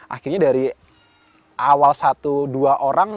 akhirnya dari awal satu dua orang